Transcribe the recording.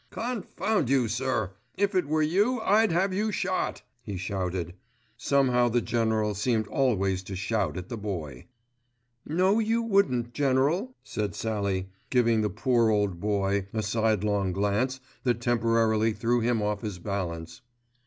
"Confound you sir, if it were you I'd have you shot," he shouted. Somehow the General seemed always to shout at the Boy. "No, you wouldn't, General," said Sallie, giving the poor old boy a sidelong glance that temporarily threw him off his balance.